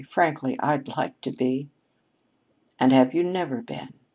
Frankly, I'd like to be." "And have you never been?